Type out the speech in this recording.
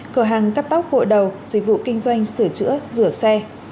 cửa hàng cắt tóc vội đầu dịch vụ kinh doanh sửa chữa rửa xe